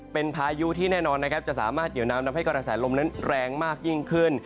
เป็นพายุที่แน่นอนนะครับจะสามารถเหนียวนำทำให้กระแสลมนั้นแรงมากยิ่งขึ้น